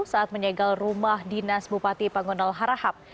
saat menyegel rumah dinas bupati pangonal harahap